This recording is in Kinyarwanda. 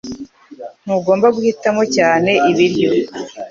Ntugomba guhitamo cyane ibiryo